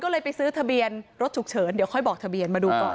รถถูกเฉิน